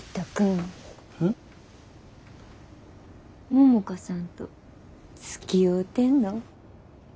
百花さんとつきおうてんの？